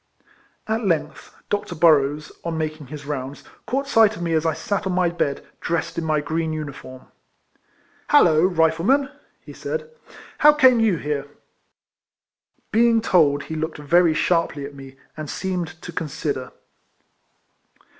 At length Dr. Burroughs, on making his rounds, caught sight of me as I sat on my bed, dressed in my green uniform. '' Hallo ! Rifleman," he said, " how came you here?" Being told, he looked very sharply at me, and seemed to consider.